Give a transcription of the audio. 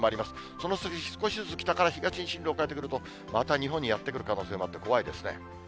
その先、少しずつ北から東に進路を変えてくると、また日本にやって来る可能性もあって怖いですね。